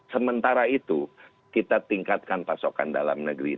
sementara itu kita tingkatkan pasokan dalam negeri